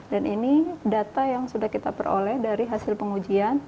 dan ini data yang sudah kita peroleh dari hasil pengujian